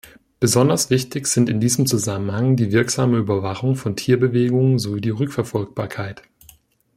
Besonders wichtig sind in diesem Zusammenhang die wirksame Überwachung von Tierbewegungen sowie die Rückverfolgbarkeit.